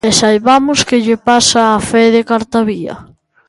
E saibamos que lle pasa a Fede Cartabia.